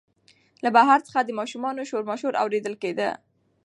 له بهر څخه د ماشومانو شورماشور اورېدل کېده.